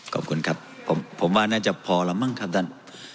ขอบคุณครับผมว่าน่าจะพอแล้วมั้งครับท่าน